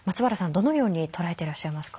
どのように捉えていらっしゃいますか？